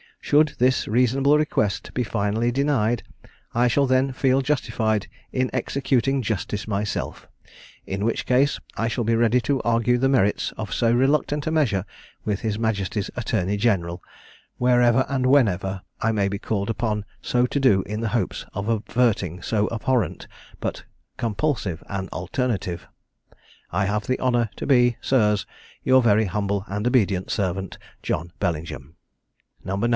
Should this reasonable request be finally denied, I shall then feel justified in executing justice myself in which case I shall be ready to argue the merits of so reluctant a measure with his majesty's attorney general, wherever and whenever I may be called upon so to do in the hopes of averting so abhorrent, but compulsive an alternative, I have the honour to be, Sirs, your very humble and obedient servant, "JOHN BELLINGHAM." "No.